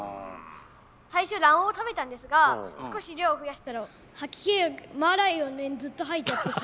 最初卵黄を食べたんですが少し量を増やしたら吐き気がマーライオンのようにずっと吐いちゃって。